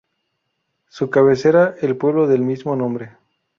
Su cabecera el pueblo del mismo nombre.